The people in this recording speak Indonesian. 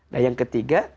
nah yang ketiga